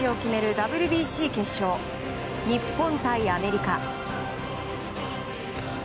ＷＢＣ決勝、日本対アメリカ戦。